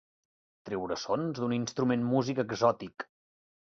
Treure sons d'un instrument músic exòtic.